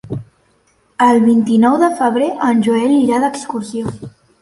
El vint-i-nou de febrer en Joel irà d'excursió.